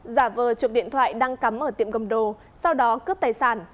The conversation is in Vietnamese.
giả vờ chuộc điện thoại đang cắm ở tiệm cầm đồ sau đó cướp tài sản